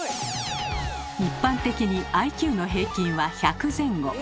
一般的にＩＱの平均は１００前後。